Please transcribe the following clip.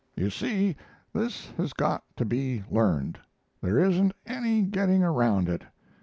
"You see, this has got to be learned; there isn't any getting around it.